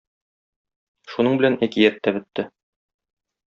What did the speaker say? Шуның белән әкият тә бетте.